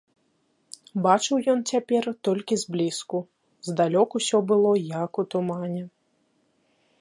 Бачыў ён цяпер толькі зблізку, здалёк усё было як у тумане.